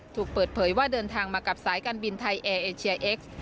ถูกเปิดเผยว่าเดินทางมากับสายการบินไทยแอร์เอเชียเอ็กซ์